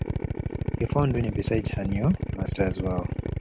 He found Winnie beside her new Master's well.